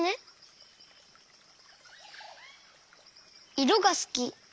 いろがすき。